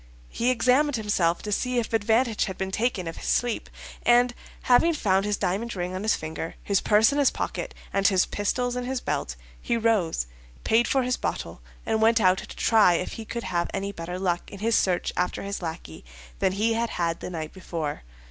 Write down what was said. He examined himself to see if advantage had been taken of his sleep, and having found his diamond ring on his finger, his purse in his pocket, and his pistols in his belt, he rose, paid for his bottle, and went out to try if he could have any better luck in his search after his lackey than he had had the night before.